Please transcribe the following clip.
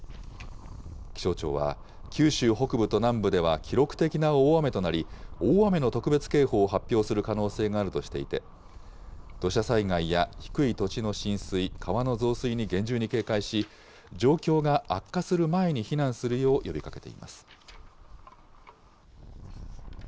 気象庁は、九州北部と南部では記録的な大雨となり、大雨の特別警報を発表する可能性があるとしていて、土砂災害や低い土地の浸水、川の増水に厳重に警戒し、状況が悪化する前に避難するよう呼びかけています。